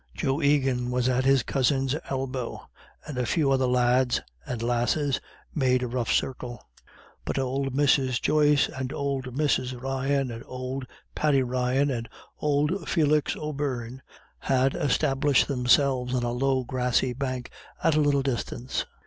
Joe Egan was at his cousin's elbow, and a few other lads and lasses made a rough circle. But old Mrs. Joyce, and old Mrs. Ryan, and old Paddy Ryan, and old Felix O'Beirne had established themselves on a low grassy bank at a little distance.